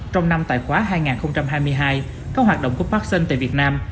trong năm tài khoá hai nghìn hai mươi hai các hoạt động của parking tại việt nam